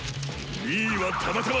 ２位はたまたま！